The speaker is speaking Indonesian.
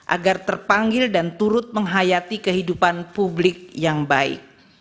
agar terpanggil dan turut menghayati kehidupan publik yang baik